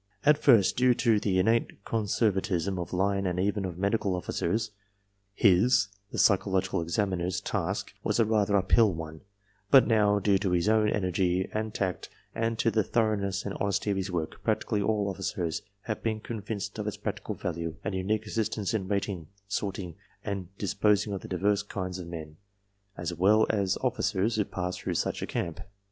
"... At first, due to the innate conservatism of line and even of medical officers, his (the psychological examiner's) task was a rather uphill one, but now, due to his own energy and tact and to the thor oughness and honesty of his work, practically all officers have been convinced of its practical value and unique assistance in rating, sorting ^ and disposing of the divers kinds of men as well as officers who pass through such a camp.